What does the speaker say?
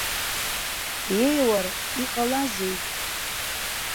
Еи, уара, иҟалазеи?!